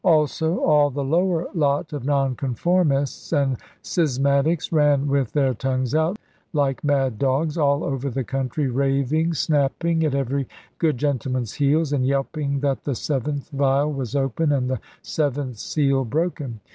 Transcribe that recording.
Also all the lower lot of Nonconformists and schismatics ran with their tongues out, like mad dogs, all over the country raving, snapping at every good gentleman's heels, and yelping that the seventh vial was open, and the seventh seal broken.